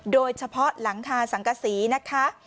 โดยเฉพาะหลังคาสังกษีนะคะ